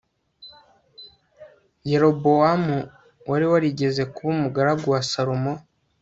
Yerobowamu wari warigeze kuba umugaragu wa Salomo